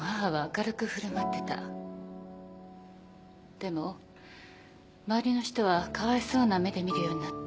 でも周りの人はかわいそうな目で見るようになった。